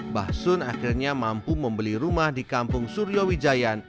basun akhirnya mampu membeli rumah di kampung suryowijayan